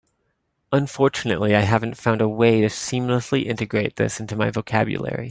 Unfortunately, I haven't found a way to seamlessly integrate this into my vocabulary.